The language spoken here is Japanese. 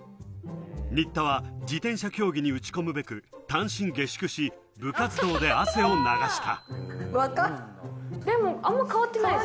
新田は自転車競技に打ち込むべく、単身下宿し、部活動で汗を流した。